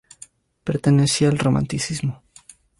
Pertenecía al Romanticismo.